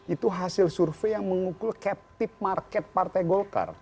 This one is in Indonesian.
itu hasil survei yang mengukul captive market partai golkar